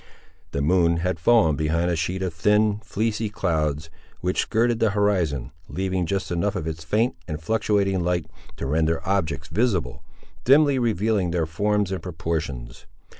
The moon had fallen behind a sheet of thin, fleecy, clouds, which skirted the horizon, leaving just enough of its faint and fluctuating light, to render objects visible, dimly revealing their forms and proportions.